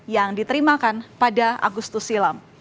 yang diterimakan pada agustus silam